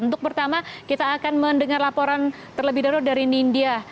untuk pertama kita akan mendengar laporan terlebih dahulu dari nindya